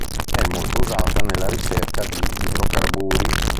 È molto usata nella ricerca di idrocarburi.